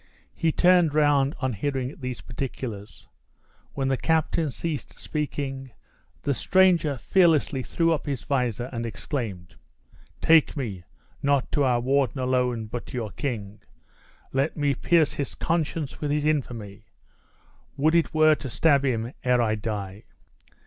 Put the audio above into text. He turned round on hearing these particulars. When the captain ceased speaking, the stranger fearlessly threw up his visor and exclaimed: "Take me, not to our warden alone, but to your king; let me pierce his conscience with his infamy would it were to stab him ere I die!"